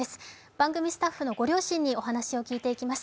番組スタッフのご両親にお話を聞いていきます。